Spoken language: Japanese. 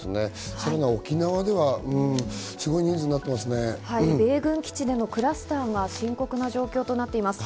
さらに沖縄ではすごいニーズに米軍基地でのクラスターが深刻な状況になっています。